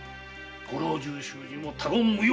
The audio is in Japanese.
ご老中衆にも他言無用。